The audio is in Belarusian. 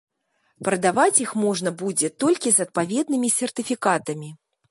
Прадаваць іх можна будзе толькі з адпаведнымі сертыфікатамі.